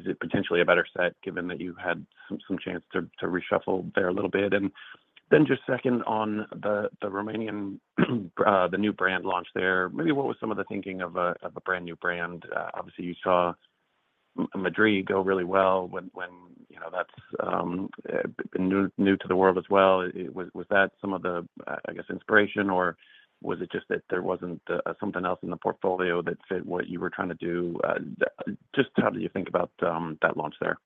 [SPEAKER 12] it potentially a better set, given that you had some chance to reshuffle there a little bit? And then just second on the Romanian, the new brand launch there. Maybe what was some of the thinking of a brand-new brand? Obviously, you saw Madrí go really well when you know that's new to the world as well. Was that some of the, I guess, inspiration, or was it just that there wasn't something else in the portfolio that fit what you were trying to do? Just how did you think about that launch there?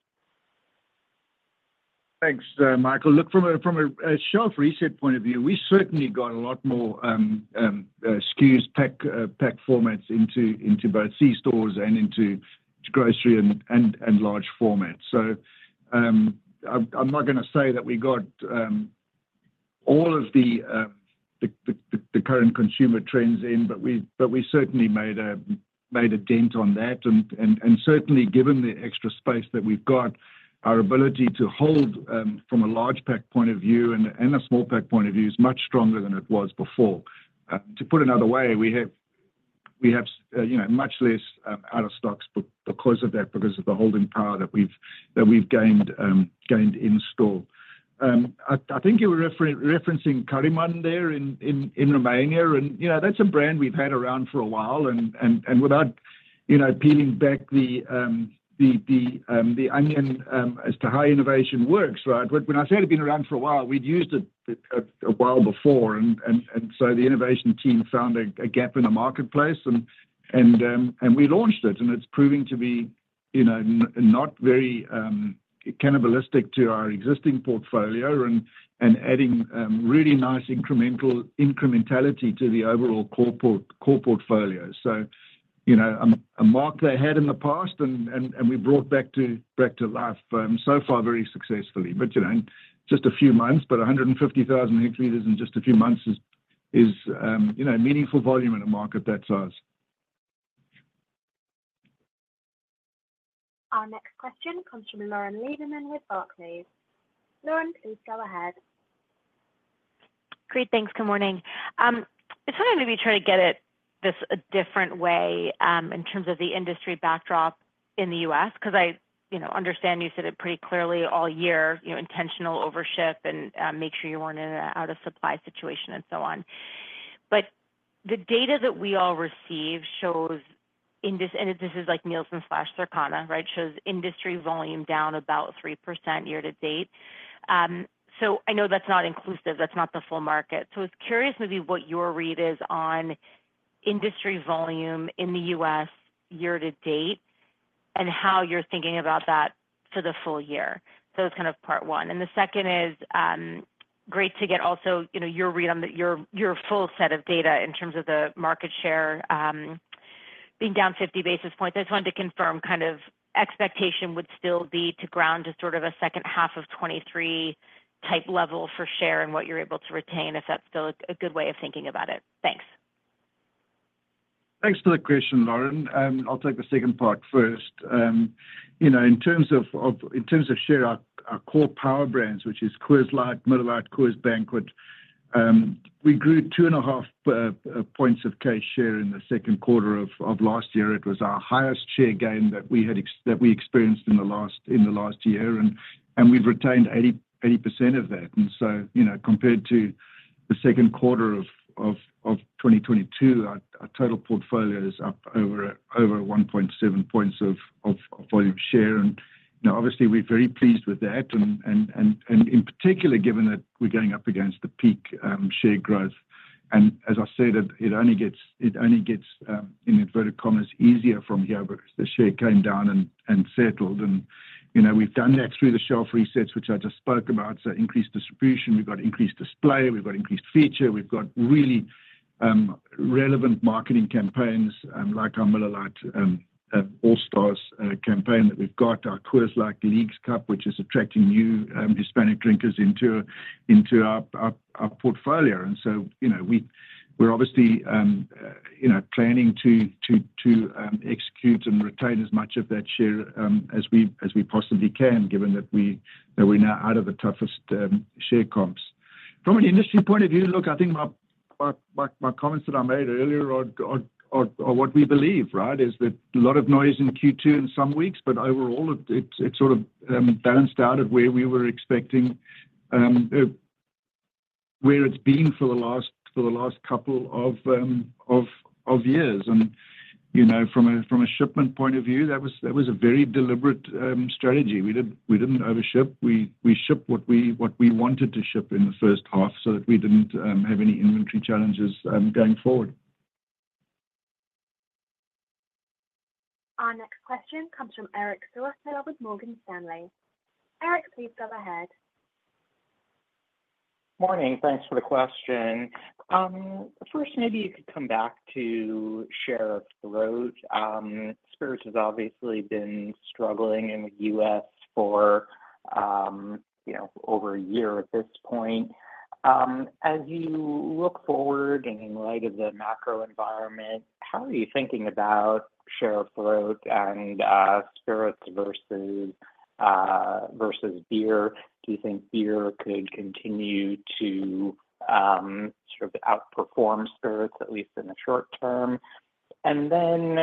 [SPEAKER 3] Thanks, Michael. Look, from a shelf reset point of view, we certainly got a lot more SKUs, pack formats into both c-stores and into grocery and large formats. So, I'm not going to say that we got all of the current consumer trends in, but we certainly made a dent on that. And certainly, given the extra space that we've got, our ability to hold from a large pack point of view and a small pack point of view is much stronger than it was before. To put another way, we have, we have, you know, much less out of stocks because of that, because of the holding power that we've, that we've gained, gained in store. I think you were referencing Caraiman there in Romania, and, you know, that's a brand we've had around for a while, and, and, and without, you know, peeling back the onion as to how innovation works, right? But when I say it had been around for a while, we'd used it a while before, and so the innovation team found a gap in the marketplace and we launched it, and it's proving to be, you know, not very cannibalistic to our existing portfolio and adding really nice incrementality to the overall core portfolio. So, you know, a mark they had in the past and we brought back to life, so far, very successfully. But, you know, just a few months, but 150,000 hl in just a few months is, you know, meaningful volume in a market that size.
[SPEAKER 1] Our next question comes from Lauren Lieberman with Barclays. Lauren, please go ahead.
[SPEAKER 13] Great, thanks. Good morning. I was wondering maybe try to get at this a different way, in terms of the industry backdrop in the U.S., because I, you know, understand you said it pretty clearly all year, you know, intentional overship and, make sure you weren't in an out-of-supply situation and so on. But the data that we all receive shows in this, and this is like Nielsen/Circana, right? Shows industry volume down about 3% year to date. So I know that's not inclusive, that's not the full market. So I was curious maybe what your read is on industry volume in the U.S. year to date, and how you're thinking about that for the full year. So that's kind of part one. The second is great to get also, you know, your read on your full set of data in terms of the market share being down 50 basis points. I just wanted to confirm kind of expectation would still be to ground to sort of a second half of 2023 type level for share and what you're able to retain, if that's still a good way of thinking about it. Thanks.
[SPEAKER 3] Thanks for the question, Lauren. I'll take the second part first. You know, in terms of share, our core power brands, which is Coors Light, Miller Lite, Coors Banquet, we grew 2.5 points of case share in the second quarter of last year. It was our highest share gain that we experienced in the last year, and we've retained 80% of that. And so, you know, compared to the second quarter of 2022, our total portfolio is up over 1.7 points of volume share. And, you know, obviously, we're very pleased with that, and in particular, given that we're going up against the peak share growth. And as I said, it only gets, in inverted commas, easier from here because the share came down and settled. And, you know, we've done that through the shelf resets, which I just spoke about, so increased distribution, we've got increased display, we've got increased feature, we've got really, relevant marketing campaigns, like our Miller Lite All Stars campaign that we've got, our Coors Light Leagues Cup, which is attracting new, Hispanic drinkers into our portfolio. And so, you know, we're obviously, you know, planning to execute and retain as much of that share, as we possibly can, given that we're now out of the toughest, share comps. From an industry point of view, look, I think my comments that I made earlier are what we believe, right? Is that a lot of noise in Q2 in some weeks, but overall, it sort of balanced out at where we were expecting, where it's been for the last couple of years. You know, from a shipment point of view, that was a very deliberate strategy. We didn't overship. We shipped what we wanted to ship in the first half so that we didn't have any inventory challenges going forward.
[SPEAKER 1] Our next question comes from Eric Serotta with Morgan Stanley. Eric, please go ahead.
[SPEAKER 14] Morning. Thanks for the question. First, maybe you could come back to share of throat. Spirits has obviously been struggling in the U.S. for, you know, over a year at this point. As you look forward and in light of the macro environment, how are you thinking about share of throat and spirits versus beer? Do you think beer could continue to sort of outperform spirits, at least in the short term? And then,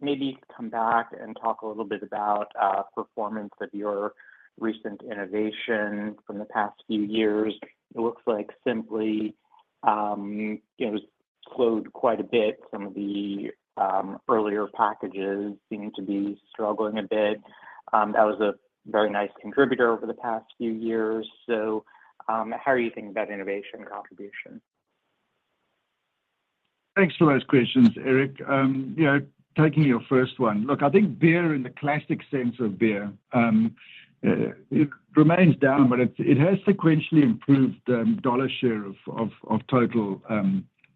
[SPEAKER 14] maybe come back and talk a little bit about performance of your recent innovation from the past few years. It looks like Simply, you know, slowed quite a bit. Some of the earlier packages seem to be struggling a bit. That was a very nice contributor over the past few years. So, how are you thinking about innovation contribution?
[SPEAKER 3] Thanks for those questions, Eric. You know, taking your first one. Look, I think beer in the classic sense of beer remains down, but it has sequentially improved dollar share of total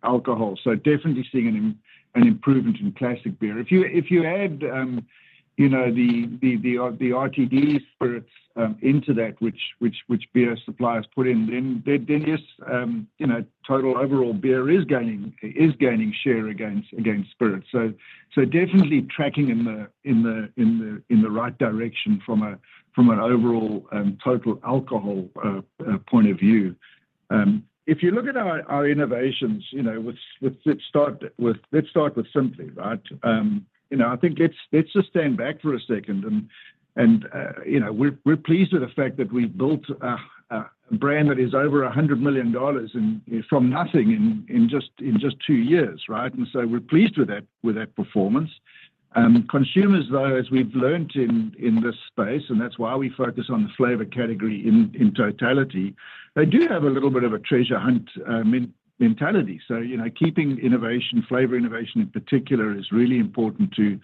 [SPEAKER 3] alcohol. So definitely seeing an improvement in classic beer. If you add you know, the RTD spirits into that, which beer suppliers put in, then yes, you know, total overall beer is gaining share against spirits. So definitely tracking in the right direction from an overall total alcohol point of view. If you look at our innovations, you know, let's start with Simply, right? You know, I think let's just stand back for a second. And you know, we're pleased with the fact that we've built a brand that is over $100 million in, from nothing in just two years, right? And so we're pleased with that performance. Consumers, though, as we've learned in this space, and that's why we focus on the flavor category in totality, they do have a little bit of a treasure hunt mentality. So, you know, keeping innovation, flavor innovation in particular, is really important to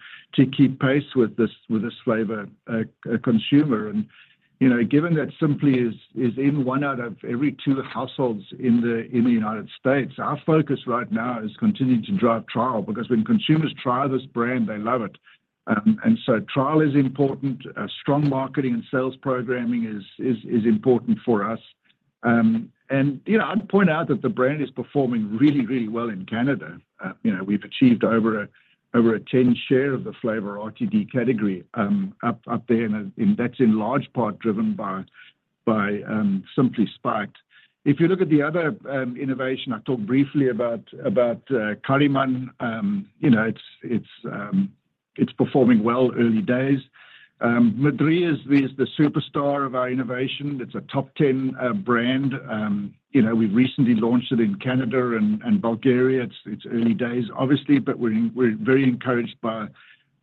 [SPEAKER 3] keep pace with this flavor consumer. You know, given that Simply is in one out of every two households in the United States, our focus right now is continuing to drive trial, because when consumers try this brand, they love it. Trial is important. Strong marketing and sales programming is important for us. You know, I'd point out that the brand is performing really, really well in Canada. You know, we've achieved over a 10 share of the flavor RTD category up there, and that's in large part driven by Simply Spiked. If you look at the other innovation, I talked briefly about Caraiman. You know, it's performing well, early days. Madrí is the superstar of our innovation. It's a top 10 brand. You know, we've recently launched it in Canada and Bulgaria. It's early days, obviously, but we're very encouraged by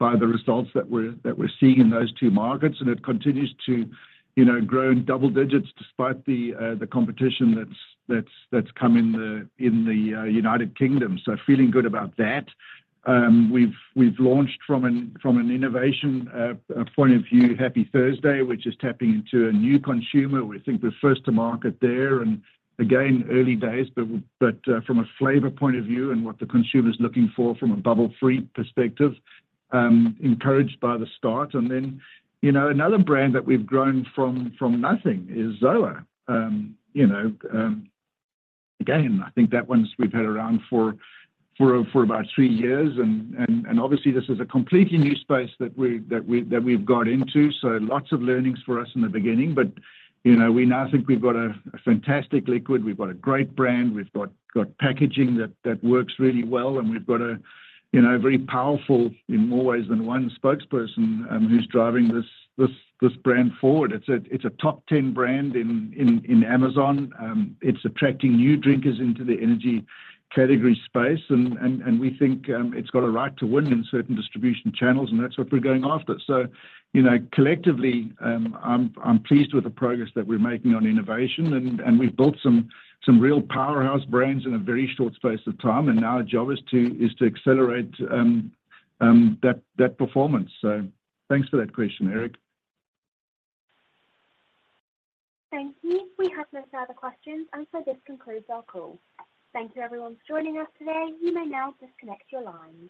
[SPEAKER 3] the results that we're seeing in those two markets, and it continues to, you know, grow in double digits despite the competition that's come in the United Kingdom. So feeling good about that. We've launched from an innovation point of view, Happy Thursday, which is tapping into a new consumer. We think we're first to market there, and again, early days, but from a flavor point of view and what the consumer is looking for from a bubble-free perspective, encouraged by the start. And then, you know, another brand that we've grown from nothing is ZOA. You know, again, I think that one's we've had around for about three years. And obviously, this is a completely new space that we've got into, so lots of learnings for us in the beginning, but, you know, we now think we've got a fantastic liquid. We've got a great brand. We've got packaging that works really well. And we've got a, you know, very powerful in more ways than one spokesperson, who's driving this brand forward. It's a top 10 brand in Amazon. It's attracting new drinkers into the energy category space, and we think it's got a right to win in certain distribution channels, and that's what we're going after. You know, collectively, I'm pleased with the progress that we're making on innovation, and we've built some real powerhouse brands in a very short space of time, and now our job is to accelerate that performance. So thanks for that question, Eric.
[SPEAKER 1] Thank you. We have no further questions, and so this concludes our call. Thank you, everyone, for joining us today. You may now disconnect your lines.